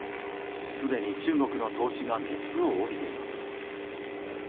すでに中国の投資が熱を帯びています。